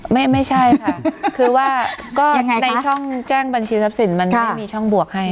ไม่ใช่ค่ะคือว่าก็ในช่องแจ้งบัญชีทรัพย์สินมันไม่มีช่องบวกให้